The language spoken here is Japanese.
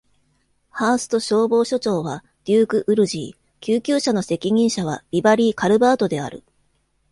ハースト消防署長はデューク・ウルジー、救急車の責任者はビバリー・カルバートである。